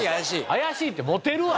「怪しい」って持てるわ！